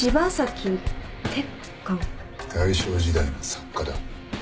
大正時代の作家だ。